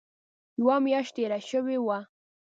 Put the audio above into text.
یوه میاشت تېره شوې وه.